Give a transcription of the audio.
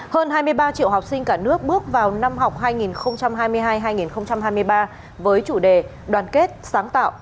hơn hai mươi ba triệu học sinh cả nước bước vào năm học hai nghìn hai mươi hai hai nghìn hai mươi ba với chủ đề đoàn kết sáng tạo